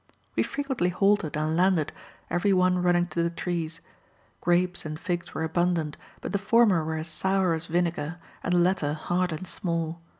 We frequently halted and landed, every one running to the trees. Grapes and figs were abundant, but the former were as sour as vinegar, and the latter hard and small.